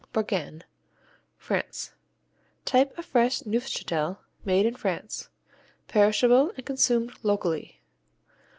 Bourgain France Type of fresh Neufchâtel made in France. Perishable and consumed locally.